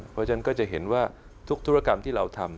เพราะฉะนั้นก็จะเห็นว่าทุกธุรกรรมที่เราทำ